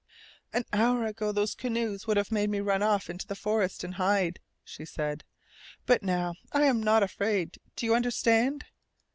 "An hour ago those canoes would have made me run off into the forest and hide," she said. "But now I am not afraid! Do you understand?"